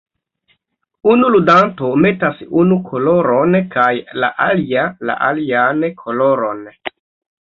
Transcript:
Unu ludanto metas unu koloron kaj la alia la alian koloron.